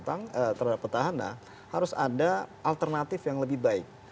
maka ketika mereka kecewa terhadap petahana harus ada alternatif yang lebih baik